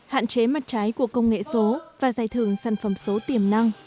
hạn chế mặt trái của công nghệ số và giải thưởng sản phẩm số tiềm năng